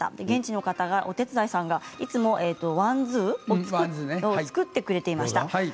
現地の方が、お手伝いさんがいつも丸子、作ってくれていました。